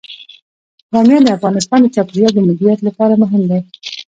بامیان د افغانستان د چاپیریال د مدیریت لپاره مهم دي.